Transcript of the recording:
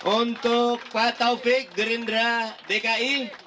untuk pak taufik gerindra dki